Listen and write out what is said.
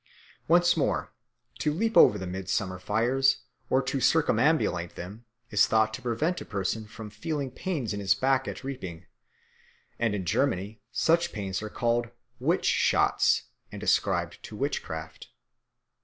Once more, to leap over the midsummer fires or to circumambulate them is thought to prevent a person from feeling pains in his back at reaping; and in Germany such pains are called "witch shots" and ascribed to witchcraft.